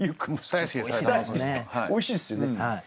おいしいですよね。